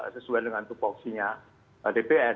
sesuai dengan topoksinya dpr